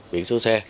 biển số xe